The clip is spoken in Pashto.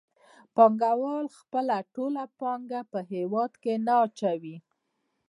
پانګوال خپله ټوله پانګه په هېواد کې نه اچوي